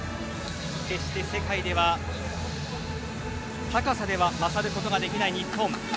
決して世界では、高さでは勝ることができない日本。